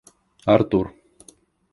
Артур